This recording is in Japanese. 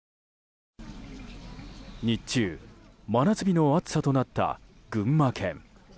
日中、真夏日の暑さとなった群馬県。